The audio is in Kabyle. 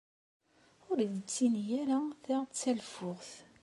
Ur iyi-d-ttini ara ta d taleffuɣt.